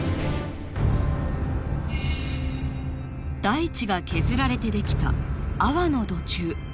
大地が削られて出来た阿波の土柱。